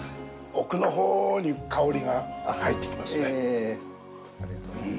奥のほうに香りが入ってきますね。